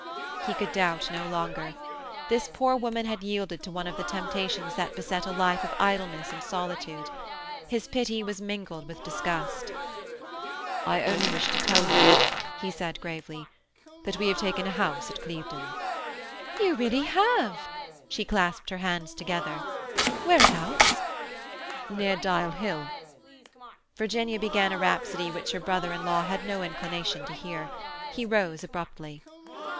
He could doubt no longer. This poor woman had yielded to one of the temptations that beset a life of idleness and solitude. His pity was mingled with disgust. "I only wished to tell you," he said gravely, "that we have taken a house at Clevedon—" "You really have!" She clasped her hands together. "Whereabouts?" "Near Dial Hill." Virginia began a rhapsody which her brother in law had no inclination to hear. He rose abruptly.